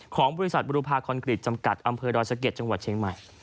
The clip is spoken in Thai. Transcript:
ของบริษัทบุรุพาคอนกรีตจำกัดอำเภอดอยสะเก็ดจังหวัดเชียงใหม่